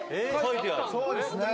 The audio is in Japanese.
そうですね。